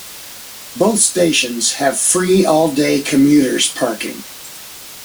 Both stations have free all-day commuters parking.